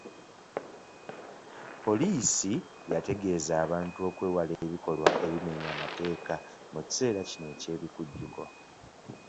Poliisi yategeeza abantu okwewala ebikolwa ebimenya amateeka mu kiseera kino eky'ebikujjukko.